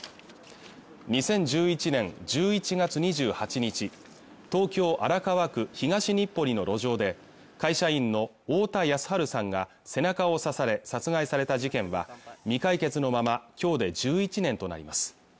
２０１１年１１月２８日東京荒川区東日暮里の路上で会社員の太田康治さんが背中を刺され殺害された事件は未解決のままきょうで１１年となります